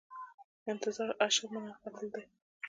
انتظار اشد من القتل دی